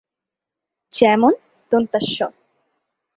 যেমন স।